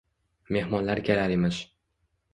–Mehmon kelar emish.